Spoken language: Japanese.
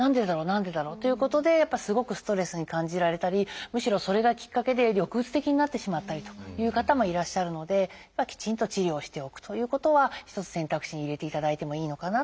何でだろう？」ということでやっぱりすごくストレスに感じられたりむしろそれがきっかけで抑うつ的になってしまったりという方もいらっしゃるのでやっぱりきちんと治療をしておくということは一つ選択肢に入れていただいてもいいのかなと思います。